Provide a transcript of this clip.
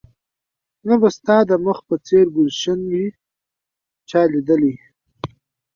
نه به ستا د مخ په څېر ګلش وي چا ليدلى